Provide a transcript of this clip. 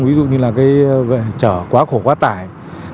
ví dụ như trở quá khổ quá tải